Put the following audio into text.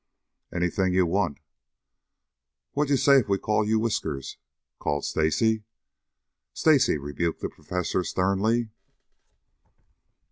"Anything you want." "What d'ye say if we call you Whiskers?" called Stacy. "Stacy!" rebuked the Professor sternly.